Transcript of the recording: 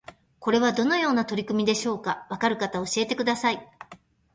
これはどのような取り組みでしょうか？わかる方教えてください